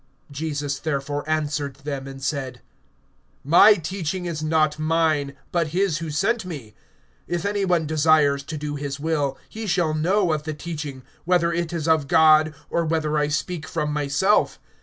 (16)Jesus therefore answered them, and said: My teaching is not mine, but his who sent me. (17)If any one desires to do his will, he shall know of the teaching, whether it is of God, or whether I speak from myself.